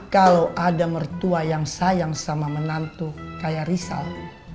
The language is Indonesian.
kalau ada mertua yang sayang sama menantu kayak risal